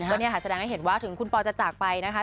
ก็เนี่ยค่ะแสดงให้เห็นว่าถึงคุณปอจะจากไปนะคะ